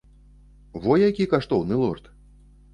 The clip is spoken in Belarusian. Во які каштоўны лорд!